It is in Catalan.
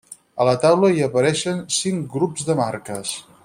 A la taula hi apareixen cinc grups de marques.